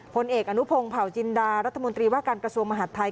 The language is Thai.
ผลเอกอนุพงศ์เผาจินดารัฐมนตรีว่าการกระทรวงมหาดไทย